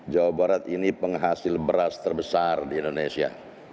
jawa barat ini penghasil beras terbesar di indonesia